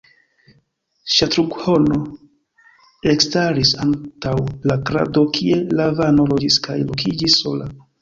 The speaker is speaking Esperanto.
Ŝatrughno ekstaris antaŭ la krado kie Lavano loĝis kaj lokiĝis sola.